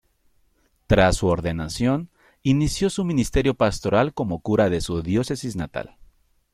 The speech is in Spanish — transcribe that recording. Tras su ordenación, inició su ministerio pastoral como cura de su diócesis natal.